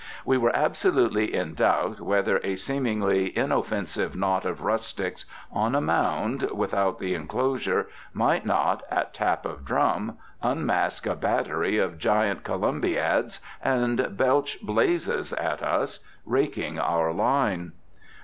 We were absolutely in doubt whether a seemingly inoffensive knot of rustics, on a mound without the inclosure, might not, at tap of drum, unmask a battery of giant columbiads, and belch blazes at us, raking our line.